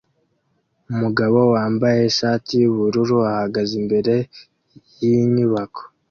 umugabo wambaye ishati yubururu ahagaze imbere yinyubako